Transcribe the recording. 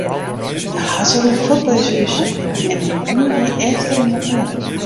De hazze rûn fuort by ús hús en de hûn gie efter him oan.